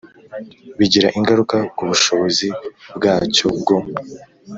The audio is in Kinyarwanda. Bigira ingaruka ku bushobozi bwacyo bwo